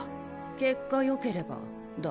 結果よければだ。